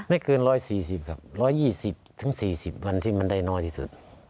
ไม่เกิน๑๔๐ครับ๑๒๐๔๐วันที่มันได้น้อยที่สุด